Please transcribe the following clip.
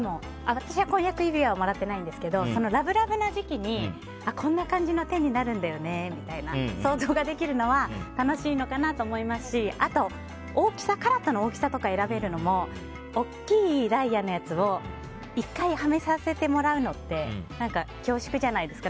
私は婚約指輪はもらってないにですけどラブラブの時期にこんな感じの手になるんだよねって想像ができるのは楽しいのかなと思いますしあと、カラットの大きさとかを選べるのも大きいダイヤのやつを１回、はめさせてもらうのって恐縮じゃないですか。